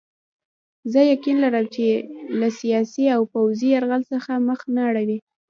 زه یقین لرم له سیاسي او پوځي یرغل څخه مخ نه اړوي.